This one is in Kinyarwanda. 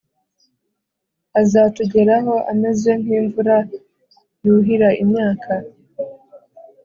azatugeraho ameze nk’imvura yuhira imyaka,